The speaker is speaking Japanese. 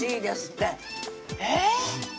えっ！